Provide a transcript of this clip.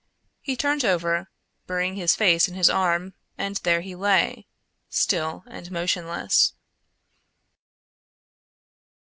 He turned over, burying his face in his arm and there he lay, still and motionless.